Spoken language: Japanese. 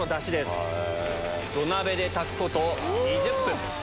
土鍋で炊くこと２０分。